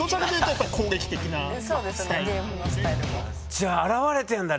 じゃあ表れてんだ